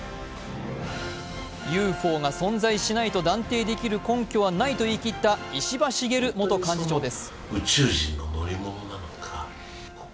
ＵＦＯが存在しないと断定できる根拠はないと言い切った石破茂元幹事長です。